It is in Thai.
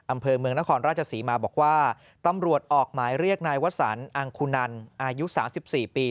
อำเภอเมืองนครราชศรีมาบอกว่าตำรวจออกหมายเรียกนายวสันอังคุนันอายุ๓๔ปี